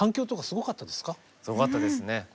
すごかったですね。